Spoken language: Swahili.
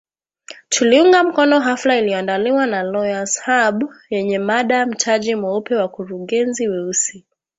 Tuliunga mkono hafla iliyoandaliwa na Lawyer’s Hub, yenye mada Mtaji Mweupe, Wakurugenzi Weusi.